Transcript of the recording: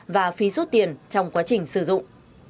và phí rút tiền trong quá trình sử dụng